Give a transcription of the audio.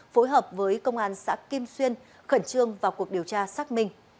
phối hợp với công an xã kim xuyên khẩn trương vào cuộc điều tra xác minh